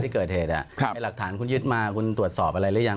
ที่เกิดเหตุหลักฐานคุณยึดมาคุณตรวจสอบอะไรหรือยัง